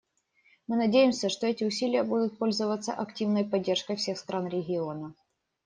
Мы надеемся, что эти усилия будут пользоваться активной поддержкой всех стран региона.